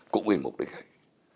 cũng vì mục đích ấy